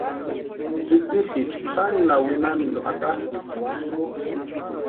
Tsïtsïsïcha xaninha winhamintu atapʼikʼa.